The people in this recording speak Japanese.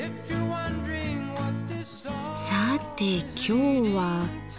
さて今日は。